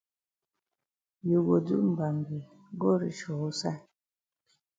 You go do mbambe go reach for wusaid?